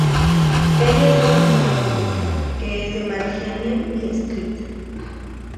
Ella es una mujer robusta que es de mal genio y estricta.